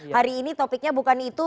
hari ini topiknya bukan itu